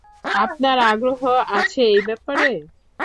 আপনার আগ্রহ আছে এই ব্যাপারে?